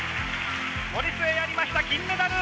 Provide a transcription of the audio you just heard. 森末やりました、金メダル。